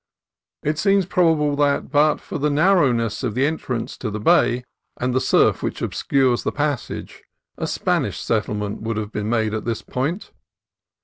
It seems probable that but for the narrowness of the entrance to the bay, and the surf which obscures the passage, a Spanish settlement would have been made at this point.